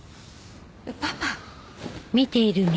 パパ。